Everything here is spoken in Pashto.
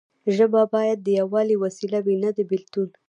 ژبه باید د یووالي وسیله وي نه د بیلتون.